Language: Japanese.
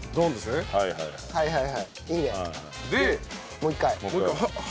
もう一回。